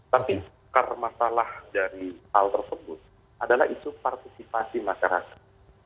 tapi masalah dari hal tersebut adalah itu partisipasi masyarakat